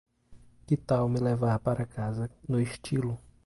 Que tal me levar para casa no estilo?